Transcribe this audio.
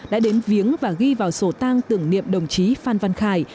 đã đến viếng và ghi vào sổ tang tưởng niệm đồng chí phan văn khải